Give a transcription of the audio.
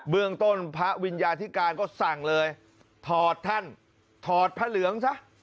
เรื่องต้นพระวิญญาธิการก็สั่งเลยถอดท่านถอดพระเหลืองซะ